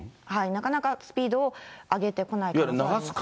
なかなかスピードを上げてこない可能性があります。